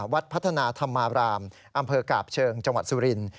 วัดพัฒนาธรรมารามอำเภอกาบเชิงจังหวัดสุรินทร์